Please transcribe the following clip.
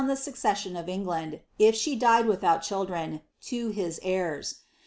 ihe Euccesaion of England — if she died wuhnnt childien — to his heirs.